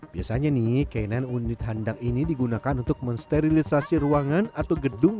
biasanya nih k sembilan unit handang ini digunakan untuk mensterilisasi ruangan atau gedung